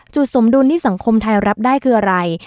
สมดุลที่สังคมไทยรับได้คืออะไร